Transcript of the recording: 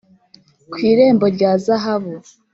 'ku irembo rya zahabu